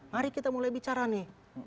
mari kita mulai bicara nih